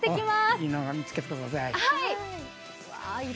いいの見つけてください。